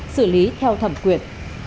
xử lý theo thẩm quyền